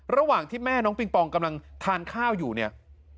ระหว่างที่แม่น้องปิงปองกำลังทานข้าวอยู่เนี่ย